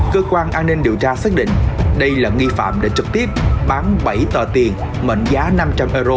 cơ quan an ninh điều tra xác định đây là nghi phạm đã trực tiếp bán bảy tờ tiền mệnh giá năm trăm linh euro